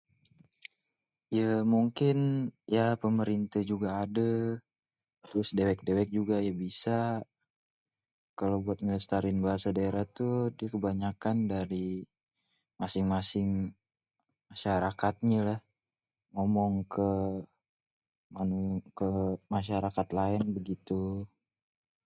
ye mungkin pemerinteh juga ade trus dewek-dewek juga bisa, kalo buat ngelestariin bahasa daerah tuh, tuh kebanyakan dari masing-masing masyarakat nye lah ngomong ke anu ke masyarakat laen begitu.